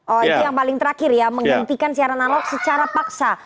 oh itu yang paling terakhir ya menghentikan siaran analog secara paksa